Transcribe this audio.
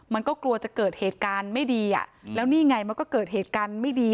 มันก็กลัวจะเกิดเหตุการณ์ไม่ดีอ่ะแล้วนี่ไงมันก็เกิดเหตุการณ์ไม่ดี